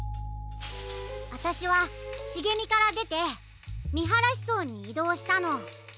あたしはしげみからでてみはらしそうにいどうしたの。